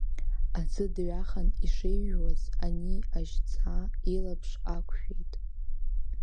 Аӡы дҩахан ишижәуаз, ани ажьҵаа илаԥш ақәшәеит.